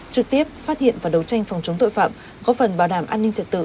trực tiếp phát hiện và đấu tranh phòng chống tội phạm góp phần bảo đảm an ninh trật tự